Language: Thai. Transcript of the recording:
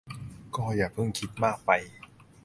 ก็อย่าเพิ่งคิดมากไป